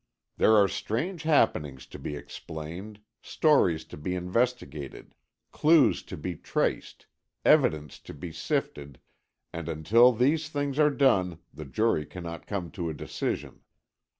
"There are strange happenings to be explained, stories to be investigated, clues to be traced, evidence to be sifted, and until these things are done the jury cannot come to a decision.